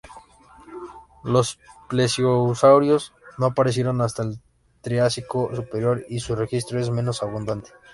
Los plesiosaurios no aparecieron hasta el Triásico superior, y su registro es menos abundante.